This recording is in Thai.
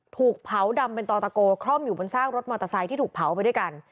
ถูกเผาดำเป็นต่อตะโกคร่อมอยู่บนซากรถมอเตอร์ไซค์ที่ถูกเผาไปด้วยกัน